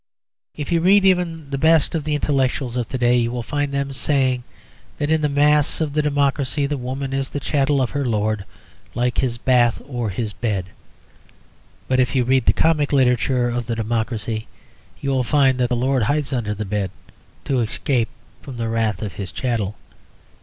If you read even the best of the intellectuals of to day you will find them saying that in the mass of the democracy the woman is the chattel of her lord, like his bath or his bed. But if you read the comic literature of the democracy you will find that the lord hides under the bed to escape from the wrath of his chattel.